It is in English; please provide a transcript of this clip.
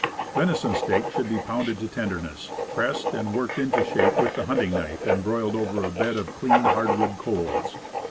Venison steak should be pounded to tenderness, pressed and worked into shape with the hunting knife, and broiled over a bed of clean hard wood coals.